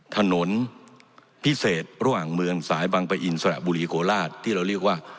ถนนพิเศษระหว่างเมืองสายบังปะอินสระบุรีโคราชที่เราเรียกว่า